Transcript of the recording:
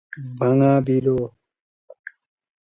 بھنگا بِلو: